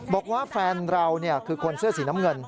บอกว่าแฟนเราคือคนเสื้อสีน้ำเงิน